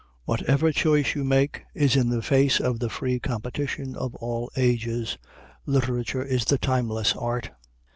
Whatever choice you make is in the face of the free competition of all the ages. Literature is the timeless art.